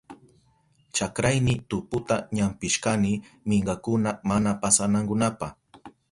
Chakrayni tuputa ñampishkani minkakuna mana pasanankunapa.